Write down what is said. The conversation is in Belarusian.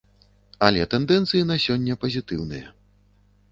Але тэндэнцыі на сёння пазітыўныя.